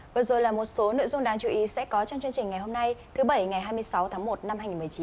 vừa rồi là một số nội dung đáng chú ý sẽ có trong chương trình ngày hôm nay thứ bảy ngày hai mươi sáu tháng một năm hai nghìn một mươi chín